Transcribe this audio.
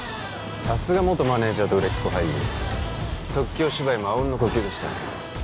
さすが元マネージャーと売れっ子俳優即興芝居もあうんの呼吸でしたね